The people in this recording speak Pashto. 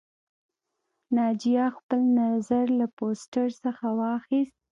ناجیه خپل نظر له پوسټر څخه واخیست